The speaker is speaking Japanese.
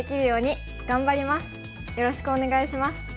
よろしくお願いします。